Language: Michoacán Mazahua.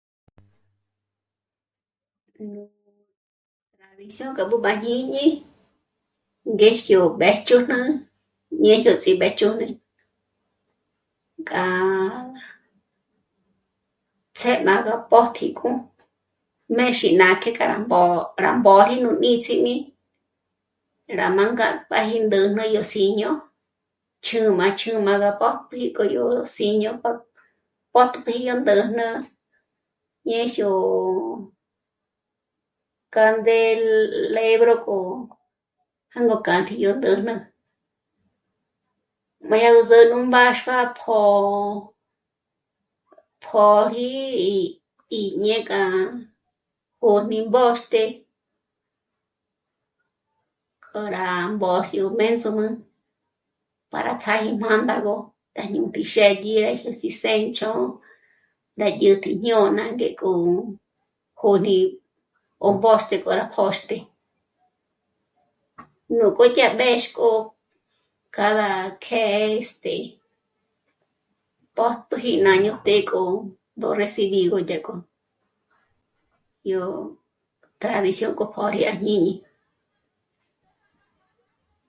Nú mbári sà'k'a b'ǚb'ü à jñíñi ngéjyo mbéjch'ǘjnu, ñéjyo ts'ímbéjch'ǘjnü k'a... ts'é má ró pójt'ik'o m'ézhi k'a kâ'a rá mbó'o rá mbóri nú níts'ími rá mânga pë́pji ndäjnä yó s'íño chjǚm'a, ch ǚjm'a rá pö́jp'i k'o yó s'íño, pö́'tp'iji yó ndä̂jnä ñéjyo ó candelebro k'o jângo kjâtji yó ndä̂jnä. Má dya nú zû'u nú mbáxua pjó'o... pjôji y... y... ñék'a pö́jni mbôxte k'o rá mbójyo mbéndzuma para ts'áji mândagö rá ñút'i xë́dyi jés'i sénch'o, rá dyä̀tji jñôna ngék'o jôrí o pjôxte k'o rá pjôxte. Núkjo yá b'éxk'o cada que... este... pjôjpjuji ná ñó të́'ë k'o recibigö ngék'o yó tradición por k'o pjôri à jñíñi